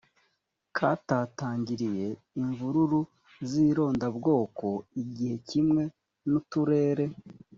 katatangiriye imvururu z irondabwoko igihe kimwe n uturere